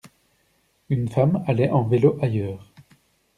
Une femme allait en vélo ailleurs.